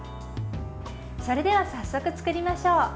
それでは早速作りましょう。